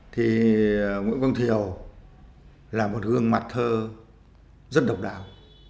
thì nguyễn quang thiều là một gương mặt thơ rất độc đáo